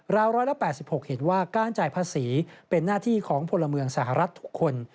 ๑๘๖เห็นว่าการจ่ายภาษีเป็นหน้าที่ของพลเมืองสหรัฐทุกคน